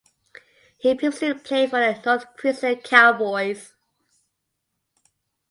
He previously played for the North Queensland Cowboys.